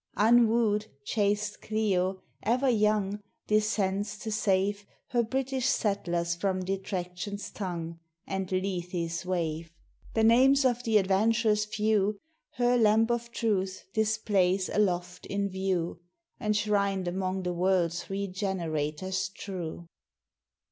Unwooed, chaste Clio, ever young, Descends to save Her British Settlers from Detraction's tongue, And Lethe's wave. The names of the adventurous few, Her lamp of Truth displays aloft in view, Enshrined among the world's regenerators true.